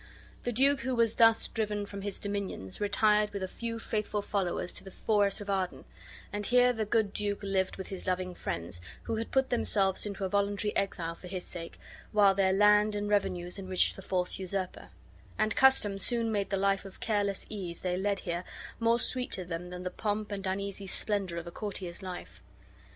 The duke who was thus driven from his dominions retired with a few faithful followers to the forest of Arden; and here the good duke lived with his loving friends, who had put themselves into a voluntary exile for his sake, while their land and revenues enriched the false usurper; and custom soon made the life of careless ease they led here more sweet to them than the pomp and uneasy splendor of a courtier's life.